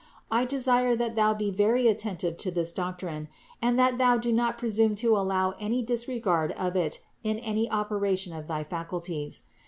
I desire that thou be very attentive to this doctrine and that thou do not presume to allow any disregard of it in any operation of thy faculties.